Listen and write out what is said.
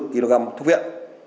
sáu bốn kg thuốc viện